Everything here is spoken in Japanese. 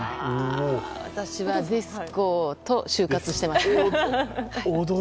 私はディスコと就活をしていました。